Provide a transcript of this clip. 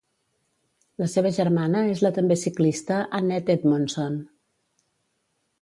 La seva germana és la també ciclista Annette Edmondson.